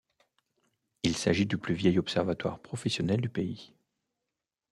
Il s'agit du plus vieil observatoire professionnel du pays.